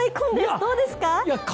どうですか？